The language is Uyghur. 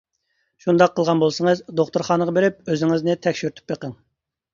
شۇنداق قىلغان بولسىڭىز دوختۇرخانىغا بېرىپ ئۆزىڭىزنى تەكشۈرتۈپ بېقىڭ.